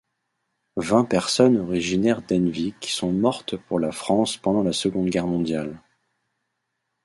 Vingt personnes originaires d'Henvic sont mortes pour la France pendant la Seconde Guerre mondiale.